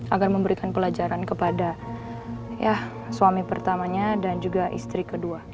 agar memberikan pelajaran kepada suami pertamanya dan juga istri kedua